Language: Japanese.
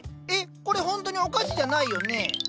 えっこれほんとにお菓子じゃないよね？